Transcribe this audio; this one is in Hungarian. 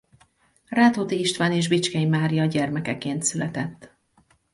Rátóti István és Bicskei Mária gyermekeként született.